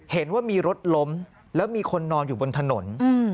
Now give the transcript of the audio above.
เห็นว่ามีรถล้มแล้วมีคนนอนอยู่บนถนน